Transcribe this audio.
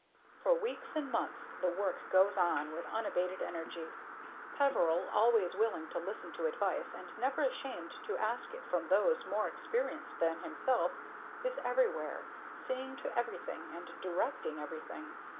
For weeks and months the work goes on with unabated energy. Peveril, always willing to listen to advice and never ashamed to ask it from those more experienced than himself, is everywhere, seeing to everything and directing everything.